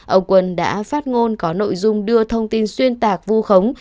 ông quân đã phát ngôn có nội dung đưa thông tin xuyên tạc vu khống